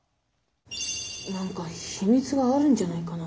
なんかヒミツがあるんじゃないかな？